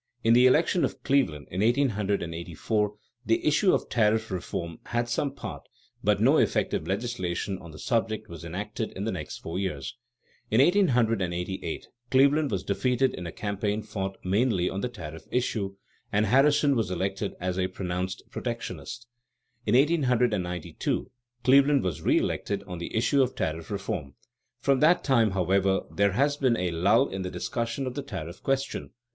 In the election of Cleveland in 1884, the issue of tariff reform had some part, but no effective legislation on the subject was enacted in the next four years. In 1888, Cleveland was defeated in a campaign fought mainly on the tariff issue, and Harrison was elected as a pronounced protectionist. In 1892, Cleveland was reëlected on the issue of tariff reform. From that time, however, there has been a lull in the discussion of the tariff question.